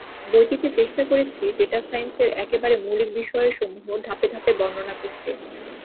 বইটিতে চেষ্টা করেছি ডেটা সাইন্সের একেবারে মৌলিক বিষয় সমূহ ধাপে ধাপে বর্ণনা করতে।